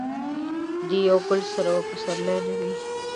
د یو ګل سره به پسرلی نه وي.